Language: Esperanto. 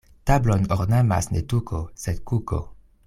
Tablon ornamas ne tuko, sed kuko.